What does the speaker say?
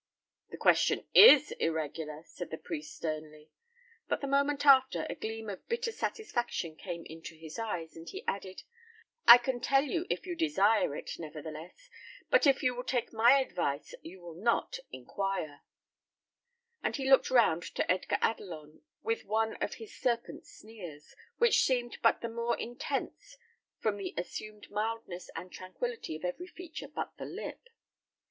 "The question is irregular," said the priest, sternly; but the moment after, a gleam of bitter satisfaction came into his eyes, and he added, "I can tell you if you desire it, nevertheless; but if you will take my advice you will not inquire;" and he looked round to Edgar Adelon with one of his serpent sneers, which seemed but the more intense from the assumed mildness and tranquillity of every feature but the lip.